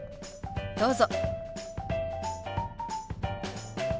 どうぞ。